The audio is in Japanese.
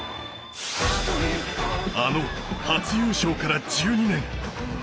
あの初優勝から１２年。